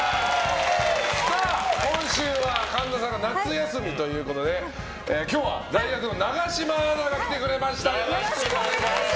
今週は神田さんが夏休みということで今日は代役の永島アナが来てくれました。